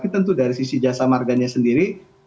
tentu dari sisi jasa marganya sendiri